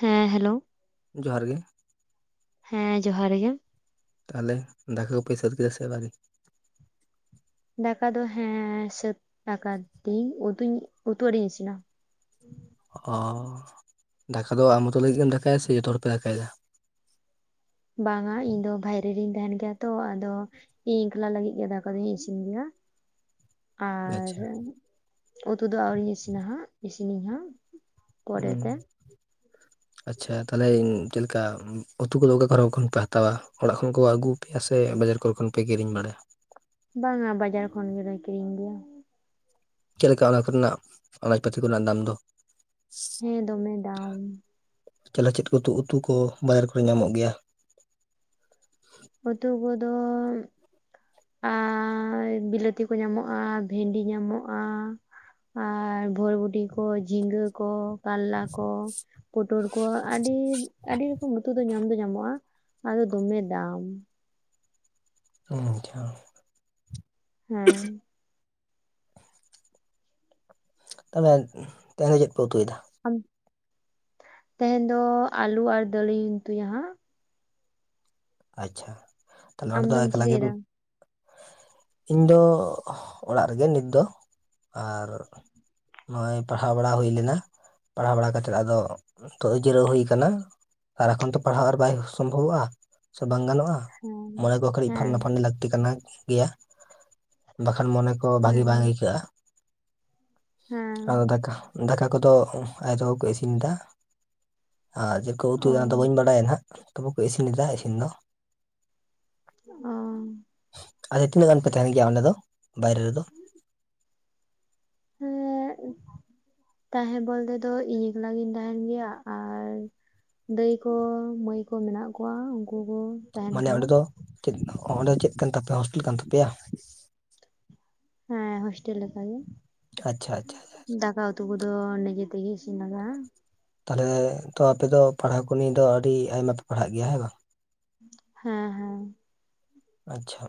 ᱦᱮᱸ ᱦᱮᱞᱳ ᱡᱚᱦᱟᱨ ᱜᱮ ᱾ᱦᱮᱸ ᱡᱚᱦᱟᱨ ᱜᱮ᱾ ᱛᱟᱦᱚᱞᱮ ᱫᱟᱠᱟ ᱠᱚᱯᱮ ᱥᱟ. ᱛ ᱠᱮᱫᱟ ᱥᱮ ᱵᱟᱸᱜ ᱫᱟᱠᱟ ᱫᱚ ᱦᱮᱸᱻ ᱥᱟᱹᱛ ᱫᱟᱠᱟᱫᱤᱧ᱾ ᱩᱛᱩ ᱩᱛᱩ ᱟᱹᱣᱨᱤᱧ ᱤᱥᱤᱱᱟ᱾ ᱚᱻ ᱫᱟᱠᱟ ᱫᱚ ᱟᱢ ᱢᱚᱛᱚ ᱞᱟᱹᱜᱤᱫ ᱜᱮᱢ ᱫᱟᱠᱟᱭᱟ ᱥᱮ ᱡᱚᱛᱚ ᱦᱚᱲᱯᱮ ᱫᱟᱠᱟᱭ ᱫᱟ? ᱵᱟᱝ ᱟ ᱤᱧ ᱫᱚ ᱵᱟᱭᱨᱮ ᱨᱤᱧ ᱛᱟᱦᱮᱱ ᱜᱮᱭᱟ ᱛᱚ᱾ ᱟᱫᱚ ᱤᱧ ᱮᱠᱞᱟ ᱞᱟᱹᱜᱤᱫ ᱜᱮ ᱫᱟᱠᱟ ᱫᱩᱧ ᱤᱥᱤᱱ ᱜᱮᱭᱟ᱾ ᱟᱨ ᱟᱪᱪᱷᱟ ᱩᱛᱩ ᱫᱚ ᱟᱹᱣᱨᱤᱧ ᱤᱥᱤᱱᱟ ᱦᱟᱸᱜ, ᱤᱥᱤᱱᱟᱧ ᱦᱟᱸᱜ᱾ ᱩᱸ ᱯᱚᱨᱮᱛᱮ ᱟᱪᱪᱷᱟ ᱛᱟᱦᱚᱞᱮ ᱪᱮᱫ ᱞᱮᱠᱟ ᱩᱛᱩ ᱠᱚᱫᱚ ᱚᱠᱟ ᱠᱚᱨᱮ ᱠᱷᱚᱱ ᱯᱮ ᱦᱟᱛᱟᱣᱟ ᱚᱲᱟᱜ ᱠᱷᱚᱱ ᱠᱚ ᱟᱹᱜᱩ ᱟᱯᱮᱭᱟ ᱥᱮ ᱵᱟᱡᱟᱨ ᱠᱚᱨᱮ ᱠᱷᱚᱱ ᱯᱮ ᱠᱤᱨᱤᱧ ᱵᱟᱲᱟᱭᱟ ᱵᱟᱝᱟ ᱵᱟᱡᱟᱨ ᱠᱷᱚᱱ ᱜᱮᱞᱮ ᱠᱤᱨᱤᱧ ᱟᱜᱩᱭᱟ ᱪᱮᱫ ᱞᱮᱠᱟ ᱚᱱᱟ ᱠᱚ ᱨᱮᱱᱟᱜ ᱟᱱᱟᱡᱯᱟᱹᱛᱤ ᱠᱚ ᱨᱮᱱᱟᱜ ᱫᱟᱢ ᱫᱚ? ᱦᱮᱸ ᱫᱚᱢᱮ ᱫᱟᱢ ᱪᱟᱞᱮ [unintelligible] ᱪᱮᱫ ᱠᱚ ᱩᱛᱩ ᱠᱚ ᱵᱟᱡᱟᱨ ᱠᱚᱨᱮ ᱧᱟᱢᱚᱜ ᱜᱮᱭᱟ? ᱩᱛᱩ ᱠᱚᱫᱚ ᱟᱨ ᱵᱤᱞᱟᱹᱛᱤ ᱠᱚ ᱧᱟᱢᱚᱜᱼᱟ᱾ ᱵᱷᱮᱱᱰᱤ ᱧᱟᱢᱚᱜᱼᱟ᱾ ᱟᱨ ᱵᱷᱳᱨᱵᱩᱴᱤ ᱠᱚ, ᱡᱷᱤᱸᱜᱟᱹ ᱠᱚ ᱠᱟᱨᱞᱟ ᱠᱚ᱾ ᱯᱚᱴᱚᱨ ᱠᱚ ᱟᱹᱰᱤ, ᱟᱹᱰᱤ ᱨᱚᱠᱚᱢ ᱩᱛᱩ ᱫᱚ ᱧᱟᱢ ᱫᱚ ᱧᱟᱢᱚᱜᱼᱟ ᱾ ᱟᱫᱚ ᱫᱚᱢᱮ ᱫᱟᱢ᱾ [unintelligible] ᱟᱪᱪᱷᱟ ᱦᱮᱸ ᱛᱚᱦᱚᱞᱮ ᱛᱟᱦᱚᱞᱮ ᱪᱮᱫ ᱯᱮ ᱩᱛᱩᱭ ᱮᱫᱟ ᱛᱮᱦᱮᱧ ᱫᱚ ᱟᱞᱩ ᱟᱨ ᱫᱟᱹᱞ ᱞᱤᱧ ᱩᱛᱩᱭᱟ ᱦᱟᱸᱜ ᱟᱪᱪᱷᱟ, ᱛᱟᱦᱞᱮ ᱱᱚᱸᱰᱮ ᱫᱚ ᱟᱢᱫᱚᱢ ᱮᱠᱞᱟ ᱜᱮᱢ ᱪᱤᱠᱟᱹᱭᱮᱫᱟ ᱤᱧ ᱫᱚ ᱚᱲᱟᱜ ᱨᱮᱜᱮ ᱱᱤᱛ ᱫᱚ ᱟᱨ ᱱᱚᱜᱚᱭ ᱯᱟᱲᱦᱟᱣ ᱵᱟᱲᱟ ᱦᱳᱭ ᱞᱮᱱᱟ ᱯᱟᱲᱦᱟᱣ ᱵᱟᱲᱟ ᱠᱟᱛᱮ ᱟᱫᱚ, ᱱᱤᱛᱚᱜ ᱡᱤᱨᱟᱹᱣ ᱦᱳᱭ ᱠᱟᱱᱟ ᱟᱨ ᱮᱠᱷᱚᱱ ᱛᱚ ᱯᱟᱲᱦᱟᱣ ᱟᱨ ᱵᱟᱭ ᱥᱚᱢᱵᱷᱚᱵᱚᱜᱼᱟ ᱥᱮ ᱵᱟᱝ ᱜᱟᱱᱚᱜᱼᱟ᱾ ᱦᱮᱸ ᱢᱚᱬᱮ ᱠᱚ ᱠᱟᱹᱴᱤᱡ ᱯᱷᱟᱱᱱᱟ ᱦᱮᱸ ᱯᱷᱟᱱᱱᱟ ᱞᱟᱹᱠᱛᱤ ᱠᱟᱱᱟ, ᱜᱮᱭᱟ ᱵᱟᱠᱷᱟᱱ ᱢᱚᱱᱮ ᱠᱚ ᱵᱷᱟᱜᱮ ᱦᱮᱸ ᱵᱟᱝ ᱟᱹᱭᱠᱟᱹᱜᱼᱟ ᱦᱮᱸ ᱾ᱟᱫᱚ ᱫᱟᱠᱟ ᱫᱟᱠᱟ ᱠᱚᱫᱚ ᱟᱭᱳ ᱛᱟᱠᱚ ᱠᱚ ᱤᱥᱤᱱ ᱫᱟ᱾ ᱟᱨ ᱪᱤᱠ ᱚ ᱩᱛᱩᱭᱟ ᱵᱟᱹᱧ ᱵᱟᱲᱟᱭᱟ ᱦᱟᱸᱜ ᱛᱚᱵᱮ ᱠᱚ ᱤᱥᱤᱱᱮᱫᱟ ᱤᱥᱤᱱ ᱫᱚ ᱚ ᱟᱪᱪᱷᱟ ᱛᱤᱱᱟᱹᱜ ᱜᱟᱱ ᱯᱮ ᱛᱟᱦᱮᱱ ᱜᱮᱭᱟ ᱚᱸᱰᱮ ᱫᱚ ᱵᱟᱭᱨᱮ ᱨᱮᱫᱚ ᱦᱮᱸ ᱛᱟᱦᱮᱸ ᱵᱚᱞᱛᱮ ᱫᱚ ᱤᱧ ᱮᱠᱞᱟ ᱜᱤᱧ ᱛᱟᱦᱮᱱ ᱜᱮᱭᱟ ᱟᱨ ᱫᱟᱹᱭ ᱠᱚ, ᱢᱟᱹᱭ ᱠᱚ ᱢᱮᱱᱟᱜ ᱠᱚᱣᱟ ᱩᱱᱠᱩ ᱠᱚ ᱛᱟᱦᱮᱱ ᱢᱟᱱᱮ ᱠᱟᱱᱟ ᱚᱸᱰᱮ ᱫᱚ, ᱪᱮᱫ ᱚᱸᱰᱮ ᱪᱮᱫ ᱠᱟᱱ ᱛᱟᱯᱮᱭᱟ ᱦᱳᱥᱴᱮᱞ ᱠᱟᱱ ᱛᱟᱯᱮᱭᱟ ᱦᱮᱸ ᱦᱳᱥᱴᱮᱞ ᱞᱮᱠᱟ ᱜᱮ ᱟᱪᱪᱷᱟ, ᱟᱪᱪᱷᱟ ᱟᱪᱪᱷᱟ ᱫᱟᱠᱟ ᱩᱛᱩ ᱠᱚᱫᱚ ᱱᱤᱡᱮ ᱛᱮᱜᱮ ᱤᱥᱤᱱ ᱞᱟᱜᱟᱜ-ᱟ ᱛᱟᱦᱚᱞᱮ ᱛᱚ ᱟᱯᱮ ᱫᱚ ᱯᱟᱲᱦᱟᱣ ᱠᱚ ᱱᱤᱭᱟ. ᱫᱚ᱾ ᱟᱹᱰᱤ ᱟᱭᱢᱟ ᱯᱮ ᱯᱟᱲᱦᱟᱜ ᱜᱮᱭᱟ ᱦᱮᱸ ᱵᱟᱝ ᱦᱮᱸ ᱦᱮᱸ ᱟᱪᱪᱷᱟ,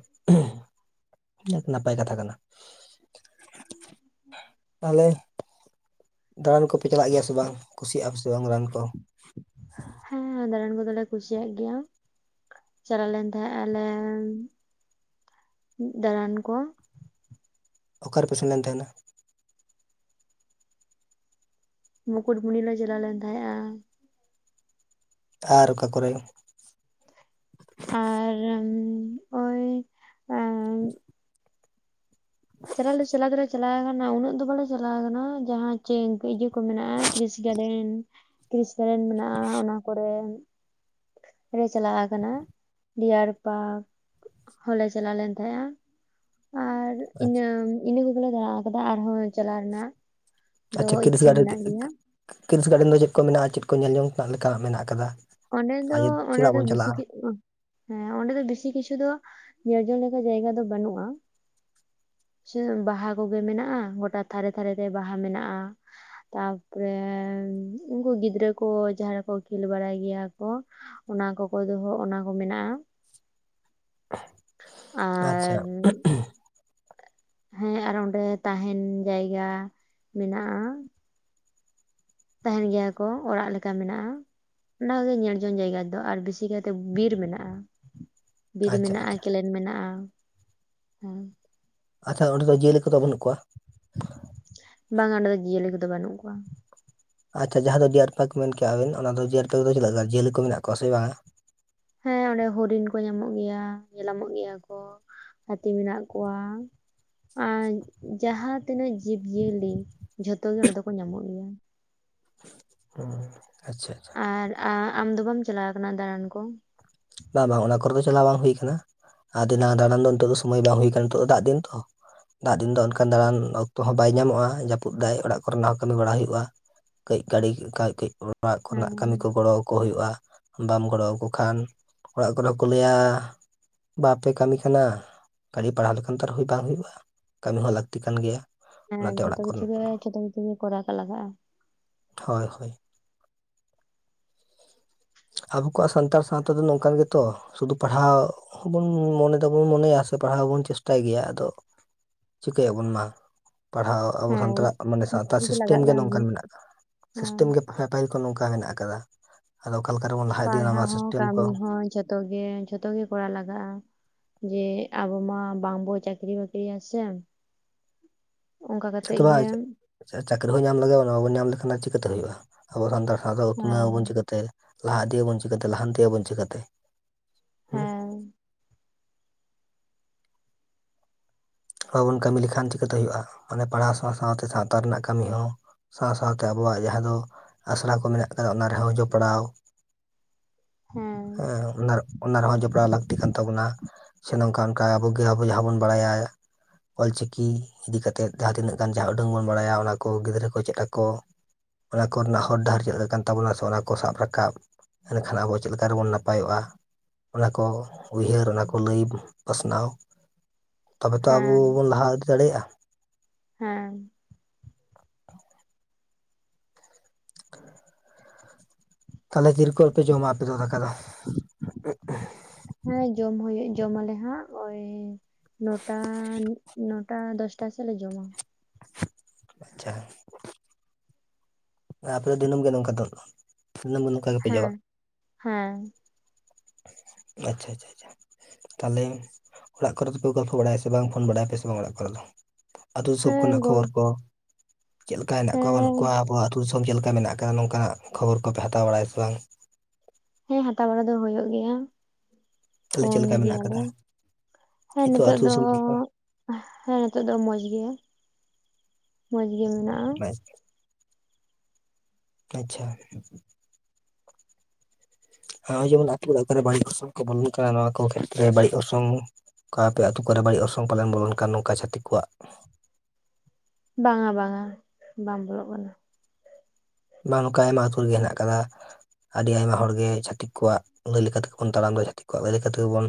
ᱱᱟᱯᱟᱭ ᱠᱟᱛᱷᱟ ᱠᱟᱱᱟ ᱛᱟᱦᱚᱞᱮ ᱫᱟᱬᱟᱱ ᱠᱚᱯᱮ ᱪᱟᱞᱟᱜ ᱜᱮᱭᱟ ᱥᱮ ᱵᱟᱝ ᱠᱩᱥᱤᱭᱟᱜᱼᱟ ᱯᱮ ᱥᱮ ᱵᱟᱝ ᱨᱟᱱ ᱠᱚ᱾ ᱦᱮᱸ, ᱫᱟᱬᱟᱱ ᱠᱚ ᱫᱚᱞᱮ ᱠᱩᱥᱤᱭᱟᱜ ᱜᱮᱭᱟ᱾ ᱪᱟᱞᱟᱣ ᱞᱮᱱ ᱛᱟᱦᱮᱸᱜ ᱟᱞᱮ ᱫᱟᱬᱟᱱ ᱠᱚ ᱚᱠᱟᱨᱮᱯᱮ ᱥᱮᱱ ᱞᱮᱱ ᱛᱟᱦᱮᱱᱟ ᱢᱩᱠᱩᱴᱢᱩᱱᱤ ᱞᱮ ᱪᱟᱞᱟᱣ ᱞᱮᱱ ᱛᱟᱦᱮᱸᱜᱼᱟ ᱟᱨ ᱚᱠᱟ ᱠᱚᱨᱮ ᱟᱨ ᱩᱸ ᱪᱟᱞᱟᱜ ᱪᱞᱟᱟᱜ ᱫᱚᱞᱮ ᱪᱟᱞᱟᱣ ᱠᱟᱱᱟ ᱩᱱᱟᱹᱜ ᱫᱚ ᱵᱟᱞᱮ ᱪᱟᱞᱟᱣ ᱠᱟᱱᱟ ᱡᱟᱦᱟᱸ ᱪᱮ ᱠᱚ ᱢᱮᱱᱟᱜᱼᱟ ᱠᱨᱤᱥ ᱜᱟᱨᱰᱮᱱ ᱠᱨᱤᱥ ᱜᱟᱨᱰᱮᱱ ᱢᱮᱱᱟᱜᱼᱟ ᱚᱱᱟ ᱠᱚᱨᱮ ᱨᱮ ᱪᱟᱞᱟᱣ ᱠᱟᱱᱟ ᱰᱤᱭᱟᱨ ᱯᱟᱨᱠ ᱦᱚᱞᱮ ᱪᱟᱞᱟᱣ ᱞᱮᱱ ᱛᱟᱦᱮᱸᱜᱼᱟ ᱟᱨ ᱤᱱᱟᱹ ᱟᱪᱪᱷᱟ ᱤᱱᱟᱹ ᱠᱚᱜᱮᱞᱮ ᱫᱟᱬᱟ ᱟᱠᱟᱫᱟ ᱟᱨᱦᱚᱸ ᱪᱟᱞᱟᱣ ᱨᱮᱱᱟᱜ ᱫᱚ ᱟᱪᱪᱷᱟ ᱠᱤᱨᱤᱥ ᱤᱪᱪᱷᱟᱹ ᱜᱟᱨᱰᱮᱱ ᱢᱮᱱᱟᱜ ᱜᱮᱭᱟ ᱠᱤᱨᱤᱥ ᱜᱟᱨᱰᱮᱱ ᱫᱚ ᱪᱮᱫ ᱠᱚ ᱢᱮᱱᱟᱜ-ᱟ ᱪᱮᱫ ᱠᱚ ᱧᱮᱞ ᱡᱚᱝ ᱞᱮᱠᱟᱱᱟᱜ ᱢᱮᱱᱟᱜ ᱟᱠᱟᱫᱟ ᱚᱸᱰᱮ ᱫᱚ ᱟᱨ ᱚᱸᱰᱮ ᱪᱮᱫᱟᱜ ᱫᱚ ᱵᱚᱱ ᱵᱮᱥᱤ ᱪᱟᱞᱟᱜᱼᱟ ᱦᱮᱸ ᱚᱸᱰᱮ ᱫᱚ ᱵᱮᱥᱤ ᱠᱤᱪᱷᱩ ᱫᱚ ᱤᱭᱟᱹᱡᱚᱱᱱᱟ ᱡᱟᱭᱜᱟ ᱫᱚ ᱵᱟᱹᱱᱩᱜ-ᱟ ᱥᱮ ᱵᱟᱦᱟ ᱠᱚᱜᱮ ᱢᱮᱱᱟᱜ-ᱟ ᱜᱚᱴᱟ ᱛᱷᱟᱨᱮ ᱛᱷᱟᱨᱮᱛᱮ ᱵᱟᱦᱟ ᱢᱮᱱᱟᱜ-ᱟ ᱛᱟᱯᱚᱨᱮ ᱩᱱᱠᱩ ᱜᱤᱫᱽᱨᱟᱹ ᱠᱚ ᱡᱟᱦᱟᱸ ᱨᱮᱠᱚ ᱠᱷᱮᱞ ᱵᱟᱲᱟᱭ ᱜᱮᱭᱟ ᱠᱚ ᱚᱱᱟ ᱠᱚᱠᱚ ᱫᱚᱦᱚ ᱚᱱᱟ ᱠᱚ ᱢᱮᱱᱟᱜᱼᱟ ᱟᱪᱪᱷᱟ ᱟᱨ ᱦᱮᱸ ᱟᱨ ᱚᱸᱰᱮ ᱛᱟᱦᱮᱱ ᱡᱟᱭᱜᱟ ᱢᱮᱱᱟᱜᱼᱟ ᱛᱟᱦᱮᱱ ᱜᱮᱭᱟ ᱠᱚ ᱚᱲᱟᱜ ᱞᱮᱠᱟ ᱢᱮᱱᱟᱜᱼᱟ ᱚᱱᱟ ᱠᱚᱫᱚ ᱧᱮᱞ ᱡᱚᱝ ᱡᱟᱭᱜᱟᱫᱚ ᱟᱨ ᱵᱮᱥᱤ ᱠᱟᱭᱛᱮ ᱵᱤᱨ ᱢᱮᱱᱟᱜᱼᱟ ᱵᱤᱨ ᱟᱪᱪᱷᱟ ᱢᱮᱱᱟᱜᱼᱟ ᱟᱪᱪᱷᱟ ᱠᱮᱞᱮᱱ ᱢᱮᱱᱟᱜᱼᱟ ᱦᱮ ᱟᱪᱪᱷᱟ ᱚᱸᱰᱮ ᱫᱚ ᱡᱤᱭᱟᱹᱞᱤ ᱠᱚᱫᱚ ᱵᱟᱹᱱᱩᱜ ᱠᱚᱣᱟ ᱵᱟᱝᱟ ᱚᱸᱰᱮ ᱫᱚ ᱡᱤᱭᱟᱹᱞᱤ ᱠᱚᱫᱚ ᱵᱟᱹᱱᱩᱜ ᱠᱚᱣᱟ ᱟᱪᱪᱷᱟ ᱡᱟᱦᱟᱸ ᱫᱚ ᱰᱤᱭᱟᱨ ᱯᱟᱨᱠ ᱢᱮᱱ ᱠᱮᱜ-ᱟᱵᱤᱱ ᱚᱱᱟ ᱫᱚ ᱰᱤᱭᱟᱨ ᱯᱟᱨᱠ ᱫᱚ ᱪᱮᱫ ᱞᱮᱠᱟ ᱡᱤᱭᱟᱹᱞᱤ ᱠᱚ ᱢᱮᱱᱟᱜ ᱠᱚᱣᱟ ᱥᱮ ᱵᱟᱝᱟ ᱦᱮᱸ ᱚᱸᱰᱮ ᱦᱚᱨᱤᱱ ᱠᱚ ᱧᱟᱢᱚᱜ ᱜᱮᱭᱟ ᱧᱮᱞᱢᱚᱜ ᱜᱮᱭᱟ ᱠᱚ ᱦᱟᱹᱛᱤ ᱢᱮᱱᱟᱜ ᱠᱚᱣᱟ ᱟᱨ ᱡᱟᱦᱟᱸ ᱛᱤᱱᱟᱹᱜ ᱡᱤᱵᱽᱭᱟᱹᱞᱤ ᱡᱷᱚᱛᱚ ᱜᱮ ᱚᱸᱰᱮ ᱫᱚᱠᱚ ᱧᱟᱢᱚᱜ ᱜᱮᱭᱟ ᱚ ᱟᱪᱪᱷᱟ ᱟᱪᱪᱷᱟ ᱟᱨ ᱟᱢ ᱫᱚ ᱵᱟᱢ ᱪᱟᱞᱟᱣ ᱟᱠᱟᱱᱟ ᱫᱟᱬᱟᱱ ᱠᱚ ᱵᱟᱝ ᱵᱟᱝ ᱚᱱᱟ ᱠᱚᱨᱮ ᱫᱚ ᱪᱟᱞᱟᱣ ᱵᱟᱝ ᱦᱩᱭ ᱟᱠᱟᱱᱟ ᱟᱫᱤᱱᱟ ᱫᱟᱬᱟᱱ ᱫᱚ ᱱᱤᱛ ᱫᱚ ᱥᱚᱢᱚᱭ ᱵᱟᱝ ᱦᱩᱭ ᱠᱟᱱᱟ ᱱᱤᱛ ᱫᱚ ᱫᱟᱜ ᱫᱤᱱ ᱛᱚ ᱫᱟᱜ ᱫᱤᱱ ᱫᱚ ᱚᱱᱠᱟᱱ ᱫᱟᱬᱟᱱ ᱚᱠᱛᱚ ᱦᱚᱸ ᱵᱟᱭ ᱧᱟᱢᱚᱜ-ᱟ ᱡᱟᱹᱯᱩᱫ ᱫᱟᱭ ᱚᱲᱟᱜ ᱠᱚᱨᱮᱱᱟᱜ ᱦᱚᱸ ᱠᱟᱹᱢᱤ ᱵᱟᱲᱟ ᱦᱩᱭᱩᱜ-ᱟ ᱠᱟᱹᱡ ᱜᱟᱹᱲᱤ ᱠᱟᱹᱡ ᱠᱟᱹᱡ ᱚᱲᱟᱜ ᱦᱮᱸ ᱠᱚᱨᱮᱱᱟᱜ ᱠᱟᱹᱢᱤ ᱠᱚ ᱜᱚᱲᱚ ᱟᱠᱚ ᱦᱩᱭᱩᱜ-ᱟ ᱵᱟᱢ ᱜᱚᱲᱚ ᱟᱠᱚ ᱠᱷᱟᱱ ᱚᱲᱟᱜ ᱠᱚᱨᱮ ᱦᱚᱸᱠᱚ ᱞᱟᱹᱭᱟ ᱵᱟᱯᱮ ᱠᱟᱹᱢᱤ ᱠᱟᱱᱟ ᱠᱷᱟᱹᱞᱤ ᱯᱟᱲᱦᱟᱣ ᱞᱮᱠᱷᱟᱱ ᱛᱚ ᱟᱨᱦᱚᱸ ᱵᱟᱝ ᱦᱩᱭᱩᱜ-ᱟ ᱠᱟᱹᱢᱤ ᱦᱚᱸ ᱞᱟᱹᱠᱛᱤ ᱠᱟᱱ ᱜᱮᱭᱟ ᱦᱮᱸ ᱚᱱᱟᱛᱮ ᱡᱷᱚᱛᱚ ᱚᱲᱟᱜ ᱠᱤᱪᱷᱩ ᱠᱷᱚᱱ ᱜᱮ ᱡᱷᱚᱛᱚ ᱠᱤᱪᱷᱩ ᱜᱮ ᱠᱚᱨᱟᱣ ᱠᱚ ᱞᱟᱜᱟᱜ-ᱟ ᱦᱳᱭ ᱦᱳᱭ ᱟᱵᱚ ᱠᱚᱣᱟᱜ ᱥᱟᱱᱛᱟᱲ ᱥᱟᱶᱛᱟ ᱫᱚ ᱱᱚᱝᱠᱟᱱ ᱜᱮᱛᱚ ᱥᱩᱫᱷᱩ ᱯᱟᱲᱦᱟᱣ ᱵᱚᱱ ᱢᱚᱱᱮᱮᱫᱟᱵᱚᱱ ᱢᱚᱱᱮᱭᱟ ᱥᱮ ᱯᱟᱲᱦᱟᱣ ᱵᱚᱱ ᱪᱮᱥᱴᱟᱭ ᱜᱮᱭᱟ ᱟᱫᱚ ᱪᱤᱠᱟᱹᱭᱟᱵᱚᱱ ᱢᱟ ᱯᱟᱲᱦᱟᱣ ᱟᱵᱚ ᱦᱮᱸ ᱥᱟᱱᱛᱟᱲ ᱢᱟᱱᱮ ᱥᱟᱶᱛᱟ ᱢᱚᱡᱽ ᱥᱤᱥᱴᱮᱢ ᱞᱟᱜᱟᱜ ᱜᱮ ᱠᱟᱱ ᱱᱚᱝᱠᱟᱱ ᱢᱮᱱᱟᱜ ᱠᱟᱫᱫᱟ ᱦᱮᱸ ᱥᱤᱥᱴᱮᱢ ᱜᱮ ᱮ ᱯᱟᱹᱦᱤᱞ ᱠᱚ ᱱᱚᱝᱠᱟ ᱢᱮᱱᱟᱜ ᱟᱠᱟᱫᱟ ᱦᱮᱞᱳ ᱚᱠᱟᱞᱮᱠᱟ ᱨᱮ ᱵᱚᱱ ᱞᱟ ᱯᱟᱲᱦᱟᱣ ᱦᱚᱸ ᱠᱟᱹᱢᱤ ᱦᱚᱸ ᱡᱷᱚᱛᱚ ᱜᱮ ᱡᱷᱚᱛᱚ ᱜᱮ ᱠᱚᱨᱟᱣ ᱞᱟᱜᱟᱜ-ᱟ ᱡᱮ ᱟᱵᱚ ᱢᱟ ᱵᱟᱝ ᱵᱳ ᱪᱟᱠᱨᱤ ᱵᱟᱠᱨᱤ ᱟᱥᱮ ᱡᱷᱚᱛᱚᱣᱟᱜ ᱪᱟᱹᱠᱨᱤ ᱦᱚᱸ ᱧᱟᱢ ᱞᱮᱟᱜ-ᱟ ᱵᱟᱵᱚᱱ ᱧᱟᱢ ᱞᱮᱠᱷᱟᱱ ᱪᱤᱠᱟᱹᱛᱮ ᱦᱩᱭᱩᱜ-ᱟ ᱟᱵᱚ ᱥᱟᱱᱛᱟᱲ ᱥᱟᱶᱛᱟ ᱩᱛᱱᱟᱹᱣ ᱟᱵᱚᱱ ᱦᱮᱸ ᱪᱤᱠᱟᱹᱛᱮ ᱞᱟᱦᱟ ᱤᱫᱤ ᱟᱵᱚᱱ ᱪᱤᱠᱟᱹᱛᱮ ᱞᱟᱦᱟᱱᱛᱤ ᱟᱵᱚᱱ ᱪᱤᱠᱟᱹᱛᱮ ᱦᱮᱸ ᱵᱟᱵᱚᱱ ᱠᱟᱹᱢᱤ ᱞᱮᱠᱷᱟᱱ ᱪᱤᱠᱟᱹᱛᱮ ᱦᱳᱭᱳᱜ-ᱟ ᱢᱟᱱᱮ ᱯᱟᱲᱦᱟᱣ ᱥᱟᱶ ᱥᱟᱶᱛᱮ ᱥᱟᱶᱛᱟ ᱨᱮᱱᱟᱜ ᱠᱟᱹᱢᱤ ᱦᱚᱸ ᱥᱟᱶ ᱥᱟᱶᱛᱮ ᱟᱵᱚᱣᱟᱜ ᱡᱟᱦᱟᱸ ᱫᱚ ᱟᱥᱲᱟ ᱠᱚ ᱢᱮᱱᱟᱜ ᱟᱠᱟᱫᱟ ᱚᱱᱟ ᱨᱮᱦᱚᱸ ᱡᱚᱯᱲᱟᱣ ᱦᱮᱸ ᱚᱱᱟ ᱨᱮᱦᱚᱸ ᱡᱚᱯᱲᱟᱣ ᱞᱟᱹᱠᱛᱤ ᱠᱟᱱ ᱛᱟᱵᱚᱱᱟ ᱥᱮ ᱱᱚᱝᱠᱟ ᱚᱱᱠᱟ ᱟᱵᱚ ᱡᱟᱦᱟᱸ ᱵᱚᱱ ᱵᱟᱲᱟᱭᱟ ᱚᱞ ᱪᱤᱠᱤ ᱤᱫᱤ ᱠᱟᱛᱮᱫ ᱡᱟᱦᱟᱸ ᱛᱤᱱᱟᱹᱜ ᱜᱟᱱ ᱡᱟᱦᱟᱸ ᱩᱰᱟᱹᱝ ᱵᱚᱱ ᱵᱟᱲᱟᱭᱟ ᱚᱱᱟ ᱠᱚ ᱜᱤᱫᱽᱨᱟᱹ ᱠᱚ ᱪᱮᱫ ᱟᱠᱚ ᱚᱱᱟ ᱠᱚᱨᱮᱱᱟᱜ ᱦᱚᱨ ᱰᱟᱦᱟᱨ ᱪᱮᱫ ᱠᱟᱱ ᱛᱟᱵᱚᱱᱟ ᱥᱮ ᱚᱱᱟ ᱠᱚ ᱥᱟᱵ ᱨᱟᱠᱟᱵ ᱮᱱᱠᱷᱟᱱ ᱟᱵᱚ ᱪᱮᱫ ᱞᱮᱠᱟ ᱨᱮᱵᱚᱱ ᱱᱟᱯᱟᱭᱚᱜ-ᱟ ᱚᱱᱟ ᱠᱚ ᱩᱭᱦᱟᱹᱨ ᱚᱱᱟᱠᱚ ᱞᱟᱹᱭ ᱯᱟᱥᱱᱟᱣ ᱛᱚᱵᱮ ᱛᱚ ᱟᱵᱚ ᱦᱮᱸ ᱵᱚᱱ ᱞᱟᱦᱟ ᱤᱫᱤ ᱫᱟᱲᱮᱭᱟᱜᱼᱟ? ᱦᱮᱸ, [unintelligible] ᱛᱟᱦᱚᱞᱮ ᱛᱤᱨ ᱠᱷᱚᱱ ᱯᱮ ᱫᱟᱠᱟ ᱫᱚ? [unintelligible] ᱦᱮᱸ ᱡᱚᱢ ᱦᱩᱭᱩᱜ ᱡᱚᱢ ᱟᱞᱮ ᱦᱟᱸᱜ, ᱳᱭ ᱱᱚᱴᱟ, ᱱᱚᱴᱟ ᱫᱚᱥᱴᱟ ᱥᱮᱫᱞᱮ ᱡᱚᱢᱟ᱾ ᱟᱪᱪᱷᱟ ᱟᱯᱮ ᱫᱚ ᱫᱤᱱᱟᱹᱢ ᱜᱮ ᱱᱚᱝᱠᱟ ᱫᱚ ᱫᱤᱱᱟᱹᱢ ᱫᱚ ᱱᱚᱝᱠᱟ ᱜᱮᱯᱮ ᱡᱚᱢᱟ? ᱦᱮᱸ ᱦᱮᱸ ᱟᱪᱪᱷᱟ ᱟᱪᱪᱷᱟ ᱟᱪᱪᱷᱟ ᱛᱟᱦᱚᱞᱮ ᱚᱲᱟᱜ ᱠᱚᱨᱮ ᱫᱚᱯᱮ ᱜᱚᱞᱯᱚ ᱵᱟᱲᱟᱭᱟ ᱥᱮᱮ ᱵᱟᱝ ᱯᱷᱳᱱ ᱵᱟᱲᱟᱭᱟ ᱯᱮ ᱥᱮ ᱵᱟᱝ ᱚᱲᱟᱜ ᱠᱚᱨᱮ ᱫᱚ ᱟᱹᱛᱩ ᱫᱤᱥᱚᱢ ᱦᱮᱸ ᱠᱷᱚᱱᱟᱜ ᱜᱚ ᱠᱷᱚᱵᱚᱨ ᱠᱚ ᱪᱮᱫ ᱞᱮᱠᱟ ᱦᱮᱱᱟᱜ ᱠᱚᱣᱟ ᱵᱟᱹᱱᱩᱜ ᱦᱮᱸ ᱠᱚᱣᱟ ᱟᱵᱚᱣᱟᱜ ᱟᱹᱛᱩᱥ ᱪᱮᱫ ᱞᱮᱠᱟ ᱢᱮᱱᱟᱜ ᱟᱠᱟᱫᱟ ᱱᱚᱝᱠᱟᱱᱟᱜ ᱠᱷᱚᱵᱚᱨ ᱠᱚᱯᱮ ᱦᱟᱛᱟᱣ ᱵᱟᱲᱟᱭᱟ ᱥᱮ ᱵᱟᱝ ᱦᱮᱸ ᱦᱟᱛᱟᱣ ᱵᱟᱲᱟ ᱫᱚ ᱦᱩᱭᱩᱜ ᱜᱮᱭᱟ ᱛᱟᱦᱚᱞᱮ ᱪᱮᱫ ᱯᱷᱳᱱ ᱞᱮᱠᱟ ᱢᱮᱱᱟᱜ ᱜᱮᱭᱟᱞᱮ ᱟᱠᱟᱫᱟ ᱦᱮᱸ ᱱᱤᱛᱚᱜ ᱟᱹᱛᱩ ᱫᱚ ᱫᱤᱥᱚᱢ ᱪᱮᱫ ᱞᱮᱠᱟ ᱦᱮᱸ ᱱᱤᱛᱚᱜ ᱫᱚ ᱢᱚᱸᱡᱽ ᱜᱮ ᱢᱚᱡᱽ ᱜᱮ ᱢᱮᱱᱟᱜ-ᱟ [unintelligible] ᱟᱪᱪᱷᱟ᱾ ᱱᱚᱜᱚᱭ ᱡᱮᱢᱚᱱ ᱟᱹᱛᱩ ᱚᱲᱟᱜ ᱠᱚᱨᱮ ᱵᱟᱹᱲᱤᱡ ᱚᱨᱥᱚᱝ ᱠᱚ ᱵᱚᱞᱚᱱ ᱠᱟᱱᱟ ᱱᱚᱣᱟ ᱠᱚ ᱠᱷᱮᱛᱨᱮ ᱵᱟᱹᱲᱤᱡ ᱚᱨᱥᱚᱝ ᱚᱠᱟ ᱟᱯᱮ ᱟᱹᱛᱩ ᱠᱚᱨᱮ ᱵᱟᱹᱲᱤᱡ ᱚᱨᱥᱚᱝ ᱯᱟᱞᱚᱱ ᱵᱚᱞᱚᱱ ᱠᱟᱱ ᱱᱚᱝᱠᱟ ᱪᱷᱟᱛᱤᱠ ᱠᱚᱣᱟᱜ ᱵᱟᱝ-ᱟ ᱵᱟᱝ-ᱟ ᱵᱟᱝ ᱵᱚᱞᱚᱜ ᱠᱟᱱᱟ᱾ ᱵᱟᱝ ᱱᱚᱝᱠᱟ ᱟᱭᱢᱟ ᱟᱹᱛᱩ ᱨᱮᱜᱮ ᱦᱮᱱᱟᱜ ᱟᱠᱟᱫᱟ᱾ ᱟᱹᱰᱤ ᱟᱭᱢᱟ ᱦᱚᱲᱜᱮ ᱪᱷᱟᱹᱛᱤᱠ ᱠᱚᱣᱟᱜ ᱤᱱᱟᱹ ᱞᱮᱠᱟ ᱞᱮᱠᱟᱛᱮᱜᱵᱚᱱ ᱛᱟᱲᱟᱢ ᱫᱟ ᱪᱷᱟᱹᱛᱤᱠᱣᱟᱜ ᱞᱟᱹᱭ ᱛᱮᱜᱮᱵᱚᱱ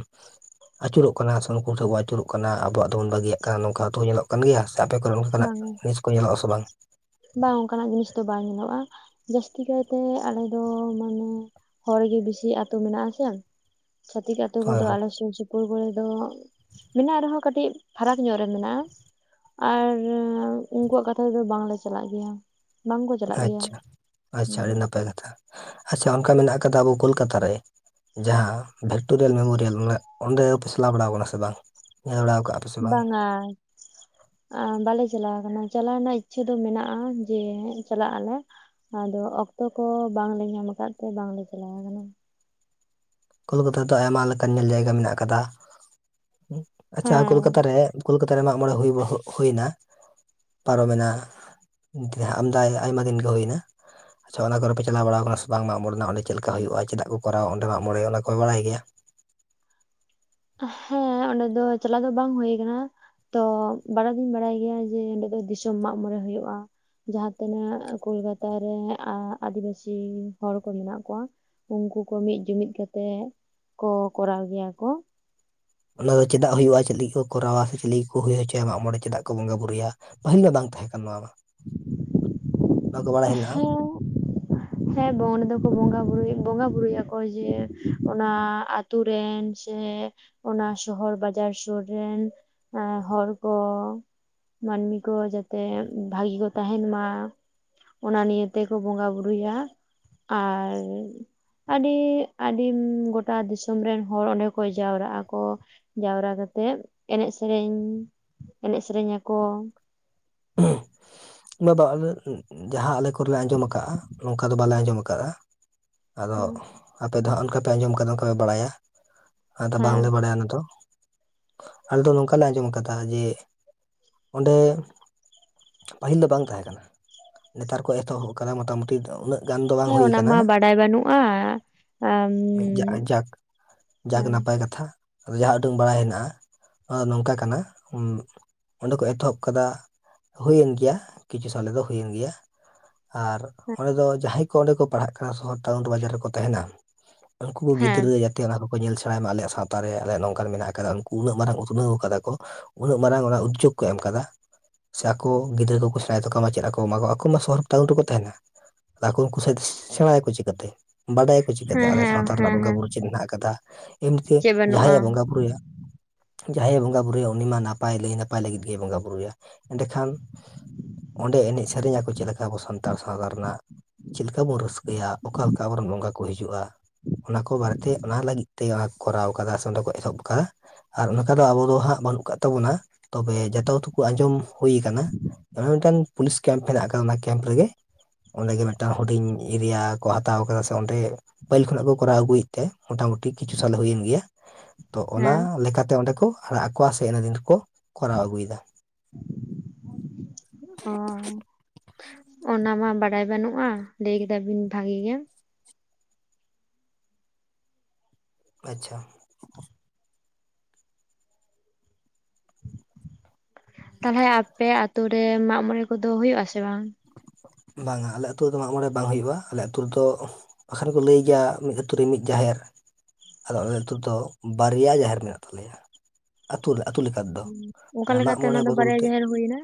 ᱟᱹᱪᱩᱨᱚᱜ ᱠᱟᱱᱟ ᱥᱮ ᱱᱩᱠᱩ ᱴᱷᱮᱱ ᱵᱚᱱ ᱟᱹᱪᱩᱨᱚᱜ ᱠᱟᱱᱟᱢᱟᱜ ᱫᱚᱵᱚᱱ ᱵᱟᱹᱜᱤᱭᱟᱜ ᱠᱟᱱᱟ ᱱᱚᱝᱠᱟ ᱛᱚ ᱦᱚᱸ ᱧᱮᱞᱚᱜ ᱠᱟᱱ ᱜᱮᱭᱟ᱾ ᱟᱯᱮ ᱠᱚᱨᱮ ᱚᱱᱠᱟᱱᱟᱜ ᱵᱟᱝᱟ ᱡᱤᱱᱤᱥ ᱠᱚ ᱧᱮᱞᱚᱜᱼᱟᱥᱮ ᱵᱟᱝ? ᱵᱟᱝ ᱚᱱᱠᱟᱱᱟᱜ ᱡᱤᱱᱤᱥ ᱫᱚ ᱵᱟᱝ ᱧᱮᱞᱚᱜᱼᱟ᱾ ᱡᱟᱹᱥᱛᱤ ᱠᱟᱭᱛᱮ ᱟᱞᱮ ᱫᱚ ᱢᱟᱱᱮ ᱦᱚᱲ ᱜᱮ ᱵᱤᱥᱤ ᱟᱹᱛᱩ ᱢᱮᱱᱟᱜᱼᱟ ᱟᱥᱮ᱾ ᱪᱚᱛᱤᱠ ᱟᱛᱩ ᱠᱚ ᱦᱳᱭ ᱫᱚ ᱦᱳᱭ ᱟᱞᱮ ᱥᱩᱨ ᱥᱩᱯ ᱯᱩᱨ ᱠᱚᱨᱮ ᱫᱚ ᱢᱮᱱᱟᱜ ᱨᱮᱦᱚᱸ ᱠᱟᱹᱴᱤᱡ ᱯᱷᱟᱨᱟᱠ ᱧᱚᱜ ᱨᱮ ᱢᱮᱱᱟᱜᱼᱟ, ᱟᱨ ᱮᱸᱩᱱᱠᱩᱣᱟᱜ ᱠᱟᱛᱷᱟ ᱛᱮᱫᱚ ᱵᱟᱝᱞᱮ ᱪᱟᱞᱟᱜ ᱜᱮᱭᱟ᱾ ᱵᱟᱝᱠᱚ ᱪᱟᱞᱟᱜ ᱜᱮᱭᱟ᱾ ᱟᱪᱷᱟ ᱟᱪᱷᱟ ᱦᱩᱸ ᱟᱹᱰᱤ ᱱᱟᱯᱟᱭ ᱠᱟᱛᱷᱟ, ᱟᱪᱷᱟ ᱚᱱᱠᱟ ᱢᱮᱱᱟᱜ ᱠᱟᱫᱟ ᱟᱵᱚ ᱠᱳᱞᱠᱟᱛᱟ ᱨᱮ, ᱡᱟᱦᱟᱸ ᱵᱷᱤᱠᱠᱴᱳᱨᱤᱭᱟᱞ ᱢᱮᱢᱳᱨᱤᱭᱟᱞ ᱚᱸᱰᱮ ᱪᱟᱞᱟᱣ ᱵᱟᱲᱟ ᱟᱠᱟᱱᱟ ᱯᱮᱥᱮ ᱵᱟᱝ? ᱧᱮᱞ ᱵᱟᱲᱟ ᱠᱟᱜ ᱵᱟᱝ-ᱟ, ᱟᱸ ᱵᱟᱞᱮ ᱪᱟᱞᱟᱣ ᱠᱟᱱᱟ ᱪᱟᱞᱟᱣ ᱨᱮᱱᱟᱜ ᱤᱪᱪᱷᱟᱹ ᱫᱚ ᱢᱮᱱᱟᱜᱼᱟ, ᱡᱮ ᱪᱟᱞᱟᱜ ᱟᱞᱮ᱾ ᱟᱫᱚ ᱚᱠᱛᱚ ᱠᱚ ᱵᱟᱝᱞᱮ ᱧᱟᱢ ᱟᱠᱟᱫ ᱛᱮ ᱵᱟᱝᱞᱮ ᱪᱟᱞᱟᱣ ᱟᱠᱟᱱᱟ᱾ ᱠᱳᱞᱠᱟᱛᱟ ᱨᱮᱫᱚ ᱟᱭᱢᱟ ᱞᱮᱠᱟᱱ ᱧᱮᱞ ᱡᱟᱭᱜᱟ ᱢᱮᱱᱟᱜ ᱟᱠᱟᱫᱟ᱾ ᱟᱪᱪᱷᱟ ᱦᱮᱸ᱾ ᱠᱳᱞᱠᱟᱛᱟ ᱨᱮ ᱠᱳᱞᱠᱟᱛᱟ ᱨᱮ ᱢᱟᱜᱽ ᱢᱚᱬᱮ ᱦᱩᱜ ᱦᱩᱭ ᱦᱩᱭᱱᱟ ᱯᱟᱨᱚ ᱢᱮᱱᱟ ᱡᱟᱦᱟᱸ ᱟᱢᱫᱟᱭ ᱟᱭᱢᱟ ᱫᱤᱱ ᱜᱮ ᱦᱩᱭ ᱮᱱᱟ᱾ ᱟᱪᱪᱷᱟ ᱚᱱᱟ ᱠᱚᱨᱮ ᱯᱮ ᱪᱟᱞᱟᱣ ᱵᱟᱲᱟᱣ ᱟᱠᱟᱱᱟ ᱥᱮ ᱵᱟᱝ ᱢᱟᱜᱽ-ᱢᱚᱬ ᱪᱮᱫ ᱞᱮᱠᱟ ᱦᱩᱭᱩᱜᱼᱟ ᱪᱮᱫᱟᱜ ᱠᱚᱨᱟᱣᱟ ᱚᱸᱰᱮ-ᱟᱜ ᱢᱟᱜᱽ-ᱢᱚᱬᱮ ᱚᱱᱟ ᱠᱚ ᱵᱟᱲᱟᱭ ᱜᱮᱭᱟ? ᱦᱮᱸ ᱚᱸᱰᱮ ᱫᱚ ᱪᱟᱞᱟᱣ ᱫᱚ ᱵᱟᱝ ᱦᱩᱭ ᱟᱠᱟᱱᱟ, ᱛᱚ ᱵᱟᱲᱟᱭ ᱫᱩᱧ ᱵᱟᱲᱟᱭ ᱜᱮᱭᱟ ᱡᱮ ᱚᱸᱰᱮ ᱫᱚ ᱫᱤᱥᱚᱢ ᱢᱟᱜᱽ-ᱢᱚᱬᱮ ᱦᱩᱭᱩᱜᱼᱟ᱾ ᱡᱟᱦᱟᱸ ᱛᱤᱱᱟᱹᱜ ᱠᱳᱞᱠᱟᱛᱟᱨᱮ ᱟ ᱟᱹᱫᱤᱵᱟᱹᱥᱤ ᱦᱚᱲ ᱠᱚ ᱢᱮᱱᱟᱜ ᱠᱚᱣᱟ, ᱩᱱᱠᱩ ᱠᱚ ᱢᱤᱫ ᱡᱩᱢᱤᱫ ᱠᱟᱛᱮᱜ ᱠᱚ ᱠᱚᱨᱟᱣ ᱜᱮᱭᱟ ᱠᱚ᱾ ᱚᱱᱟ ᱫᱚ ᱪᱮᱫᱟᱜ ᱦᱩᱭᱩᱜᱼᱟ ᱪᱮᱫ ᱞᱟᱹᱜᱤᱫ ᱠᱚ ᱠᱚᱨᱟᱣᱟ ᱥᱮ ᱪᱮᱫ ᱞᱟᱹᱜᱤᱫ ᱠᱚ ᱦᱩᱭ ᱦᱚᱪᱚᱭᱟ ᱢᱟᱜᱚᱬᱮ ᱪᱮᱫᱟᱜ ᱠᱚ ᱵᱚᱸᱜᱟ ᱵᱩᱨᱩᱭᱟ? ᱯᱟᱹᱦᱤᱞ ᱫᱚ ᱵᱟᱝ ᱛᱟᱦᱮᱸ ᱠᱟᱱᱟ ᱱᱚᱣᱟ ᱢᱟ, ᱚᱱᱟ ᱠᱚ ᱵᱟᱲᱟᱭ ᱦᱮᱱᱟᱜᱼᱟ ᱦᱮᱸ ᱦᱮᱸ ᱵᱚᱱ ᱫᱚᱠᱚ ᱵᱚᱸᱜᱟ ᱵᱩᱨᱩᱭᱟ ᱵᱚᱸᱜᱟ ᱵᱩᱨᱩᱭᱟᱠᱚ ᱡᱮ ᱚᱱᱟ ᱟᱛᱩ ᱨᱮᱱ ᱥᱮ ᱚᱱᱟ ᱥᱚᱦᱚᱨ ᱵᱟᱡᱟᱨ ᱥᱩᱨ ᱨᱮᱱ ᱮᱸ ᱦᱚᱲ ᱠᱚ ᱢᱟᱹᱱᱢᱤ ᱠᱚ ᱡᱟᱛᱮ ᱵᱷᱟᱜᱤ ᱠᱚ ᱛᱟᱦᱮᱱ ᱢᱟ, ᱚᱱᱟ ᱱᱤᱭᱮ ᱛᱮᱠᱚ ᱵᱚᱸᱜᱟ ᱵᱩᱨᱩᱭᱟ, ᱟᱨ ᱟᱹᱰᱤ ᱟᱹᱰᱤᱢ ᱜᱚᱴᱟ ᱫᱤᱥᱚᱢ ᱨᱮᱱ ᱦᱚᱲ ᱚᱸᱰᱮ ᱠᱚ ᱡᱟᱣᱨᱟᱜ ᱟᱠᱚ, ᱡᱟᱣᱨᱟ ᱠᱟᱛᱮᱜ ᱮᱱᱮᱡ ᱥᱮᱨᱮᱧ, ᱮᱱᱮᱡ ᱥᱮᱨᱮᱧ ᱟᱠᱚ᱾ ᱵᱟᱵᱟ ᱡᱟᱦᱟᱸ ᱟᱞᱮ ᱠᱚᱞᱮ ᱟᱸᱡᱚᱢ ᱟᱠᱟᱫᱟ ᱱᱚᱝᱠᱟ ᱫᱚ ᱵᱟᱞᱮ ᱟᱸᱡᱚᱢ ᱟᱠᱟᱫᱼᱟ᱾ ᱟᱫᱚ ᱟᱯᱮ ᱫᱚ ᱦᱟᱸᱜ ᱚᱱᱠᱟ ᱯᱮ ᱟᱸᱡᱚᱢ ᱠᱟᱫᱟ ᱚᱱᱠᱟ ᱯᱮ ᱵᱟᱲᱟᱭᱟ, ᱟᱫᱚ ᱵᱟᱝᱞᱮ ᱦᱮᱸ ᱵᱟᱲᱟᱭᱟᱱᱟ ᱛᱚ ᱟᱞᱮ ᱫᱚ ᱱᱚᱝᱠᱟᱞᱮ ᱟᱸᱡᱚᱢ ᱟᱠᱟᱫᱟ ᱡᱮ ᱚᱸᱰᱮ ᱯᱟᱹᱦᱤᱞ ᱫᱚ ᱵᱟᱝ ᱛᱟᱦᱮᱸ ᱠᱟᱱᱟ ᱱᱮᱛᱟᱨ ᱠᱚ ᱮᱛᱚᱦᱚᱵ ᱠᱟᱫᱟ ᱢᱚᱴᱟᱢᱩᱴᱤ ᱩᱱᱟᱹᱜ ᱜᱟᱱ ᱫᱚ ᱵᱟᱝ ᱦᱮᱸ ᱦᱩᱭ ᱚᱱᱟᱢᱟ ᱟᱠᱟᱱᱟ ᱵᱟᱰᱟᱭ ᱵᱟᱹᱱᱩᱜᱼᱟ, ᱟᱢ ᱡᱟᱜᱮ ᱦᱮᱸ ᱱᱟᱯᱟᱭ ᱠᱟᱛᱷᱟ᱾ ᱫᱚ ᱡᱟᱦᱟᱸ ᱩᱰᱩᱝ ᱵᱟᱲᱟᱭ ᱦᱮᱱᱟ-ᱟ, ᱚᱸ ᱱᱚᱝᱠᱟ ᱠᱟᱱᱟ ᱚᱸᱰᱮ ᱠᱚ ᱮᱛᱚᱦᱚᱵ ᱠᱟᱫᱟ ᱦᱩᱭᱮᱱ ᱜᱮᱭᱟ ᱠᱤᱪᱷᱩ ᱥᱟᱞᱮ ᱫᱚ ᱦᱩᱭᱮᱱ ᱜᱮᱭᱟ ᱟᱨ ᱚᱸᱰᱮ ᱫᱚ ᱡᱟᱦᱟᱸᱭ ᱚᱸᱰᱮ ᱠᱚ ᱯᱟᱲᱦᱟᱜ ᱠᱟᱱᱟ ᱥᱚᱦᱚᱨ ᱴᱟᱣᱩᱱ ᱵᱟᱡᱟᱨ ᱨᱮᱠᱚ ᱛᱟᱦᱮᱱᱟ ᱩᱱᱠᱩ ᱠᱚ ᱦᱮᱸ ᱜᱤᱫᱽᱨᱟᱹ ᱡᱟ ᱚᱱᱟ ᱠᱚᱠᱚ ᱧᱮᱞ ᱥᱮᱬᱟᱭᱢᱟ ᱟᱞᱮ ᱥᱟᱶᱛᱟ ᱨᱮ ᱟᱞᱮᱭᱟᱜ ᱱᱚᱝᱠᱟᱱ ᱢᱮᱱᱟᱜ ᱟᱠᱟᱫᱟ ᱩᱱᱠᱩ ᱩᱱᱟᱹᱜ ᱢᱟᱨᱟᱝ ᱩᱛᱱᱟᱹᱣ ᱠᱟᱫᱟ ᱠᱚ ᱩᱱᱟᱹᱜ ᱢᱟᱨᱟᱝ ᱚᱱᱟ ᱩᱫᱽᱡᱳᱜᱽ ᱠᱚ ᱮᱢ ᱠᱟᱫᱟ ᱥᱮ ᱟᱠᱚ ᱜᱤᱫᱽᱨᱟᱹ ᱠᱚᱠᱚ ᱱᱟ ᱛᱟᱠᱟ ᱢᱟ ᱪᱮᱫ ᱠᱚ ᱮᱢᱟ ᱠᱚᱣᱟ ᱟᱠᱚ ᱢᱟ ᱥᱚᱨ ᱴᱟᱣᱩᱱ ᱨᱮᱠᱚ ᱛᱟᱦᱮᱱᱟ ᱟᱫᱚ ᱟᱠᱚ ᱩᱱᱠᱩ ᱥᱮᱫᱛᱮ ᱥᱮᱬᱟᱭᱟᱠᱚ ᱪᱤᱠᱟᱹᱛᱮ ᱵᱟᱰᱟᱭᱟ ᱠᱚ ᱪᱤᱠᱟᱹᱛᱮ ᱟᱞᱮ ᱦᱮᱸ ᱥᱟᱶᱛᱟ ᱨᱮᱱᱟᱜ ᱦᱮᱸ ᱵᱚᱸᱜᱟ ᱦᱮᱸ ᱵᱩᱨᱩ ᱪᱮᱫ ᱢᱮᱱᱟᱜ ᱠᱟᱫᱟ ᱮᱢᱱᱛᱮ ᱪᱮᱫ ᱵᱟᱹᱱᱩᱜᱼᱟ ᱡᱟᱦᱟᱸᱮ ᱵᱚᱸᱜᱟ ᱵᱩᱨᱩᱭᱟ ᱡᱟᱦᱟᱸᱭᱮ ᱵᱚᱸᱜᱟᱼᱵᱩᱨᱩᱭᱟ ᱩᱱᱤ ᱢᱟ ᱱᱟᱯᱟᱭ ᱞᱟᱹᱭ ᱱᱟᱯᱟᱭ ᱞᱟᱹᱜᱤᱫ ᱜᱮ ᱵᱚᱸᱜᱟᱼᱵᱩᱨᱩᱭᱟ ᱮᱸᱰᱮᱠᱷᱟᱱ ᱚᱸᱰᱮ ᱮᱱᱮᱡ ᱥᱮᱨᱮᱧ ᱟᱠᱚ ᱪᱮᱫ ᱞᱮᱠᱟ ᱟᱵᱚ ᱥᱟᱱᱛᱟᱲ ᱥᱟᱶᱛᱟ ᱨᱮᱱᱟᱜ ᱪᱮᱫ ᱞᱮᱠᱟ ᱵᱚᱱ ᱨᱟᱹᱥᱠᱟᱹᱭᱟ ᱚᱠᱟ ᱞᱮᱠᱟ ᱟᱵᱚᱱ ᱨᱮᱱ ᱵᱚᱸᱜᱟ ᱠᱚ ᱦᱤᱡᱩᱜᱼᱟ ᱚᱱᱟ ᱠᱚ ᱵᱟᱨᱮᱛᱮ ᱚᱱᱟ ᱞᱟᱹᱜᱤᱫ ᱛᱮ ᱚᱱᱟ ᱠᱚᱨᱟᱣ ᱠᱟᱫᱟ ᱥᱮ ᱚᱸᱰᱮ ᱠᱚ ᱮᱦᱚᱵ ᱠᱟᱫᱟ ᱟᱨ ᱚᱱᱠᱟ ᱫᱚ ᱟᱵᱚ ᱫᱚ ᱦᱟᱸᱜ ᱵᱟᱹᱱᱩᱜ ᱟᱠᱟᱫ ᱛᱟᱵᱚᱱᱟ ᱛᱚᱵᱮ ᱡᱚᱛᱚ ᱠᱚᱛᱮ ᱵᱚ ᱟᱸᱡᱚᱢ ᱦᱩᱭ ᱟᱠᱟᱱᱟ ᱢᱤᱫᱴᱟᱝ ᱯᱩᱞᱤᱥ ᱠᱮᱢᱯ ᱢᱮᱱᱟᱜ ᱠᱟᱫᱟ ᱚᱱᱟ ᱠᱮᱢᱯ ᱨᱮᱜᱮ ᱚᱸᱰᱮᱜ ᱢᱤᱫᱴᱟᱝ ᱦᱩᱰᱤᱧ ᱮᱨᱤᱭᱟ ᱠᱚ ᱦᱟᱛᱟᱣ ᱠᱟᱫᱟ ᱥᱮ ᱚᱸᱰᱮ ᱯᱟᱹᱦᱤᱞ ᱠᱷᱚᱱᱟᱜ ᱠᱚᱨᱟᱣ ᱟᱹᱜᱩᱭᱮᱫ ᱛᱮ ᱢᱳᱴᱟᱢᱩᱴᱤ ᱠᱤᱪᱷᱩ ᱥᱟᱞ ᱦᱩᱭᱮᱱ ᱜᱮᱭᱟ ᱛᱚ ᱚᱱᱟ ᱦᱮᱸ ᱞᱮᱠᱟᱛᱮ ᱚᱸᱰᱮ ᱠᱚ ᱟᱲᱟᱜ ᱟᱠᱚᱣᱟ ᱥᱮ ᱤᱱᱟᱹ ᱫᱤᱱ ᱨᱮᱠᱚ ᱠᱚᱨᱟᱣ ᱟᱹᱜᱩᱭᱮᱫᱟ ᱚ ᱚᱱᱟᱢᱟ ᱵᱟᱲᱟᱭ ᱵᱟᱹᱱᱩᱜᱼᱟ ᱞᱟᱹᱭ ᱠᱮᱫᱟ ᱵᱤᱱ ᱵᱷᱟᱜᱮ ᱜᱮ ᱟᱪᱪᱷᱟ [inaudible] ᱛᱟᱞᱦᱮ ᱟᱯᱮ ᱟᱛᱩᱨᱮ ᱢᱟᱜᱢᱚᱬᱮ ᱠᱚᱫᱚ ᱦᱩᱭᱩᱜ ᱟᱥᱮ ᱵᱟᱝ ᱵᱟᱝᱟ ᱟᱞᱮ ᱟᱛ ᱨᱮᱫᱚ ᱢᱟᱜᱢᱚᱬᱮ ᱵᱟᱝ ᱦᱩᱭᱩᱜᱼᱟ ᱟᱞᱮ ᱟᱛᱩ ᱨᱮᱫᱚ ᱵᱟᱠᱷᱟᱱ ᱠᱚ ᱞᱟᱹᱭ ᱜᱮᱭᱟ ᱢᱤᱫ ᱟᱛᱳ ᱨᱮ ᱢᱤᱫ ᱡᱟᱦᱮᱨ ᱟᱫᱚ ᱟᱞᱮ ᱟᱛᱳ ᱫᱚ ᱵᱟᱨᱭᱟ ᱡᱟᱦᱮᱨ ᱢᱮᱱᱟᱜ ᱛᱟᱞᱮᱭᱟ ᱟᱹᱛᱩ ᱟᱹᱛᱩ ᱞᱮᱠᱟ ᱫᱚ ᱚᱠᱟ ᱢᱟᱜ ᱞᱮᱠᱟᱛᱮ ᱢᱚᱬᱮ ᱚᱱᱟ ᱫᱚ ᱵᱚᱫᱚᱞ ᱵᱟᱨᱭᱟ ᱛᱮ ᱡᱟᱦᱮᱨ ᱦᱩᱭᱱᱟ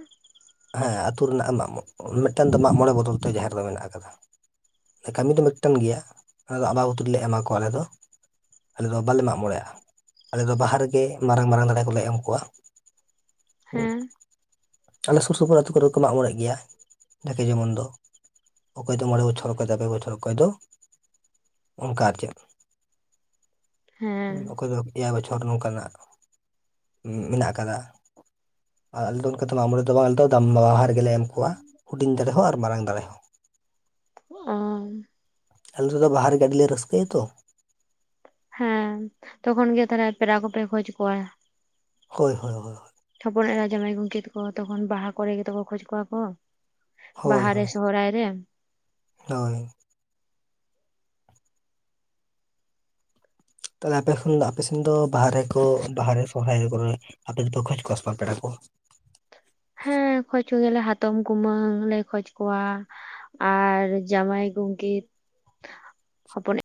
ᱦᱮᱸ ᱟᱹᱛᱩ ᱨᱮᱱᱟᱜ ᱢᱟᱜ ᱢᱤᱫᱴᱟᱝ ᱫᱚ ᱢᱟᱜ ᱢᱚᱬᱮ ᱵᱚᱫᱚᱞ ᱛᱮ ᱡᱟᱦᱮᱨ ᱫᱚ ᱢᱮᱱᱟᱜ ᱠᱟᱫᱟ ᱠᱟᱹᱢᱤ ᱫᱚ ᱢᱤᱫᱴᱮᱱ ᱜᱮᱭᱟ ᱟ ᱟᱵᱟ ᱵᱩᱛᱤ ᱨᱮᱞᱮ ᱮᱢᱟ ᱠᱚᱣᱟ ᱟᱞᱮ ᱫᱚ ᱟᱞᱮ ᱫᱚ ᱵᱟᱞᱮ ᱢᱟᱜ ᱢᱚᱬᱮᱮᱜᱼᱟ ᱟᱞᱮ ᱫᱚ ᱵᱟᱦᱟ ᱨᱮᱜᱮ ᱢᱟᱨᱟᱝ ᱢᱟᱨᱟᱝ ᱫᱟᱲᱮ ᱠᱚᱞᱮ ᱮᱢ ᱠᱚᱣᱟ ᱦᱩᱸ ᱦᱮᱸ ᱟᱞᱮ ᱥᱩᱨ ᱥᱩᱯᱩᱨ ᱟ ᱟᱹᱛᱩᱳ ᱠᱚᱨᱮ ᱠᱚ ᱢᱟᱜ ᱢᱚᱬᱮᱜ ᱜᱮᱭᱟ ᱡᱟᱠᱮ ᱡᱮᱢᱚᱱ ᱫᱚ ᱚᱠᱚᱭ ᱫᱚ ᱢᱚᱬᱮ ᱵᱚᱪᱷᱚᱨ ᱚᱠᱚᱭ ᱫᱚ ᱯᱮ ᱵᱚᱪᱷᱚᱨ ᱚᱠᱚᱭ ᱫᱚ ᱚᱱᱠᱟ ᱟᱨ ᱪᱮᱫ ᱦᱮᱸ ᱚᱠᱚᱭ ᱫᱚ ᱮᱭᱟᱭ ᱵᱚᱪᱷᱚᱨ ᱱᱚᱝᱠᱟᱱᱟᱜ ᱢᱮᱱᱟᱜ ᱠᱟᱫᱟ ᱟᱸ ᱟᱞᱮ ᱫᱚ ᱚᱱᱠᱟ ᱫᱚ ᱢᱟᱜᱢᱚᱲᱮ ᱫᱚ ᱵᱟᱝ ᱟᱞᱮ ᱫᱚ ᱫᱟᱢᱵᱟᱦᱟᱨ ᱜᱮᱞᱮ ᱮᱢ ᱠᱚᱣᱟ ᱦᱩᱰᱤᱧ ᱫᱟᱲᱮ ᱦᱚᱸᱚᱸ ᱟᱨ ᱢᱟᱨᱟᱝ ᱫᱟᱲᱮ ᱦᱚᱸ ᱚ ᱟᱞᱮ ᱟᱯᱮ ᱫᱚ ᱵᱟᱦᱟ ᱨᱮᱜᱮ ᱟᱹᱰᱤ ᱞᱮ ᱨᱟᱹᱥᱠᱟᱹᱭᱟ ᱛᱚ ᱦᱮᱸ ᱛᱚᱠᱷᱚᱱ ᱜᱮ ᱛᱟᱦᱚᱞᱮ ᱯᱮᱨᱟ ᱠᱚᱯᱮ ᱠᱷᱚᱡ ᱠᱚᱣᱟ ᱦᱳᱭ ᱦᱳ ᱦᱳᱭ ᱦᱚᱯᱚᱱ ᱮᱨᱟ ᱡᱟᱶᱟᱭ ᱜᱚᱝᱠᱮᱛᱽ ᱠᱚᱦᱚ ᱛᱚᱠᱷᱚᱱ ᱵᱟᱦᱟ ᱠᱚᱨᱮ ᱜᱮ ᱛᱚ ᱠᱚ ᱠᱷᱚᱡ ᱠᱚᱣᱟ ᱠᱚ ᱦᱳᱭ ᱦᱳᱭ ᱵᱟᱦᱟ ᱨᱮ ᱥᱚᱦᱚᱨᱟᱭ ᱨᱮ ᱦᱳᱭ ᱛᱟᱦᱚᱞᱮ ᱟᱯᱮ ᱠᱷᱚᱱ ᱫᱚ ᱟᱯᱮ ᱥᱮᱱ ᱫᱚ ᱵᱟᱦᱟ ᱨᱮ ᱠᱚ ᱵᱟᱦᱟ ᱨᱮ ᱥᱚᱦᱨᱟᱭ ᱠᱚᱨᱮ ᱟᱯᱮ ᱫᱚᱯᱮ ᱠᱷᱚᱡ ᱠᱚᱭᱟ ᱥᱮ ᱵᱟᱝ ᱯᱮᱲᱟ ᱠᱚ ᱦᱮᱸ ᱠᱷᱚᱡ ᱠᱚᱜᱮᱭᱟᱞᱮ ᱦᱟᱛᱚᱢ ᱠᱩᱢᱟᱹᱝ ᱞᱮ ᱠᱷᱚᱡᱽ ᱠᱚᱣᱟ ᱟᱨ ᱡᱶᱟᱭ ᱜᱚᱝᱠᱮᱛᱽ ᱦᱚᱯᱚᱱ